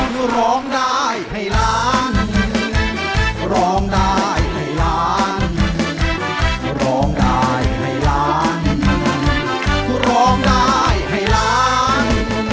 ครองดายให้เริ่มครองดายให้เริ่ม